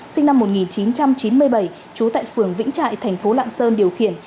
sinh năm một nghìn chín trăm chín mươi bảy trú tại phường vĩnh trại thành phố lạng sơn điều khiển